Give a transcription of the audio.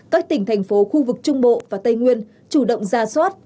các tỉnh thành phố khu vực trung bộ và tây nguyên chủ động ra soát